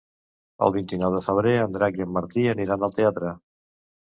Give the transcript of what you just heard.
El vint-i-nou de febrer en Drac i en Martí aniran al teatre.